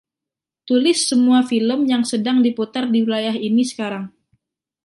Tulis semua film yang sedang diputar di wilayah ini sekarang.